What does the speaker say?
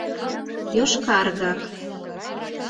Йошкаргак...